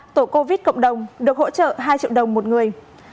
tổ covid cộng đồng được hỗ trợ hai triệu đồng một người